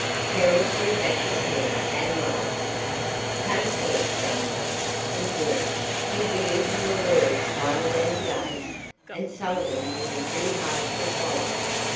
Terry threw back his head and laughed. "Take care, young man," he warned, "you'll be eating your words one of these days, and some of them will be pretty hard to swallow."